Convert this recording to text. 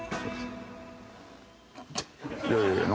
いやいやいや何？